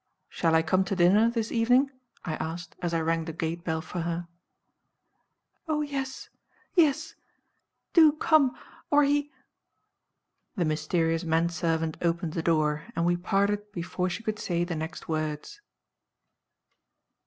"Shall I come to dinner this evening?" I asked, as I rang the gate bell for her. "Oh, yes yes! do come, or he " The mysterious man servant opened the door, and we parted before she could say the next words.